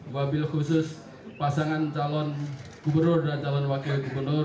wabil khusus pasangan calon gubernur dan calon wakil gubernur